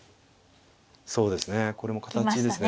そうですねこれも形ですね。